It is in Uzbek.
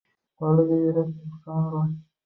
Bolada yurak nuqsoni bor